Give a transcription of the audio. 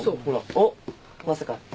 おっまさか。